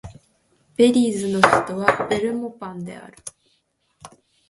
ベリーズの首都はベルモパンである